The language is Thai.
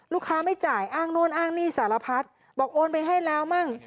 ไม่จ่ายอ้างโน่นอ้างหนี้สารพัดบอกโอนไปให้แล้วมั่ง